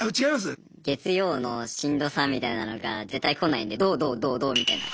月曜のしんどさみたいなのが絶対来ないんで土・土・土・土みたいな。